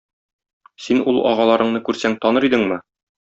Син ул агаларыңны күрсәң таныр идеңме?